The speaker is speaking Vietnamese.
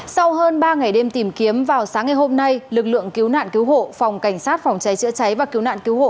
sau hơn ba ngày đêm tìm kiếm vào sáng ngày hôm nay lực lượng cứu nạn cứu hộ